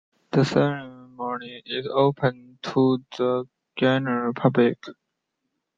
The ceremony is open to the general public.